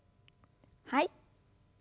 はい。